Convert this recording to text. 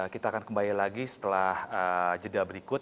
kita akan kembali lagi setelah jeda berikut